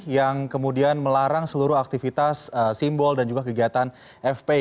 yang kemudian melarang seluruh aktivitas simbol dan juga kegiatan fpi